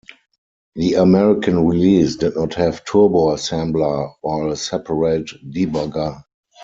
The American release did not have Turbo Assembler or a separate debugger.